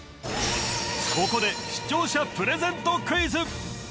ここで視聴者プレゼントクイズ！